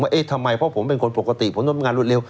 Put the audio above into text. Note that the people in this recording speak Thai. เอ๊ะทำไมเพราะผมเป็นคนปกติผมทำงานรวดเร็